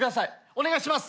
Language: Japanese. お願いします！